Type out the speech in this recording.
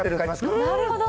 なるほど！